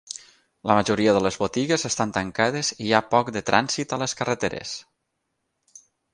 La majoria de les botigues estan tancades i hi ha poc de trànsit a les carreteres.